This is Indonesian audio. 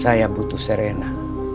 saya butuh serena